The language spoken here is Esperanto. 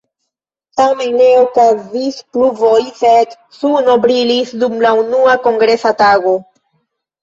Tamen ne okazis pluvoj sed suno brilis dum la unua kongresa tago.